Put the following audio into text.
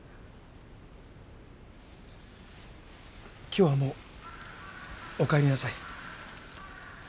今日はもうお帰りなさい。